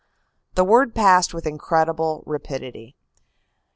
The word passed with incredible I rapidity.